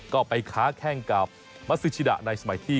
ก็ไปค้าแข้งกับมัสซิชิดะในสมัยที่